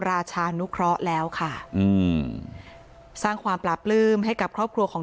ราชานุเคราะห์แล้วค่ะอืมสร้างความปราบปลื้มให้กับครอบครัวของ